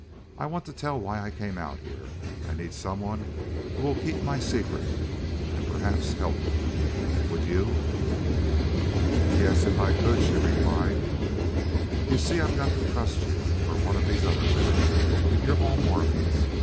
I want to tell why I came out here. I need some one who will keep my secret, and perhaps help me.... Would you?" "Yes, if I could," she replied. "You see I've got to trust you, or one of these other women. You're all Mormons.